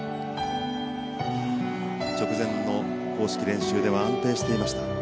直前の公式練習では安定していました。